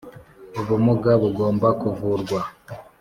Ubumuga bugomba kuvurwa.